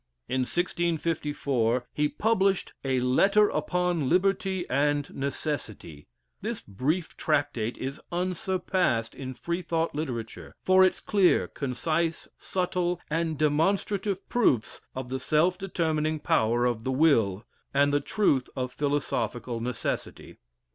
In 1654, he published a "Letter upon Liberty and Necessity;" this brief tractate is unsurpassed in Free thought literature for its clear, concise, subtle, and demonstrative proofs of the self determining power of the will, and the truth of philosophical necessity.